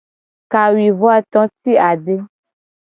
Kawuivoato ti ade.